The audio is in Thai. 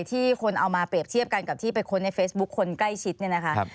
ที่คนเอามาเปรียบเทียบกันกับที่ไปค้นในเฟซบุ๊คคนใกล้ชิดเนี่ยนะคะ